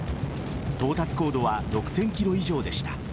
到達高度は６０００ｋｍ以上でした。